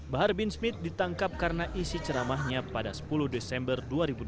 bahar bin smith ditangkap karena isi ceramahnya pada sepuluh desember dua ribu dua puluh